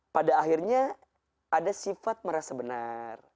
pada akhirnya ada sifat merasa benar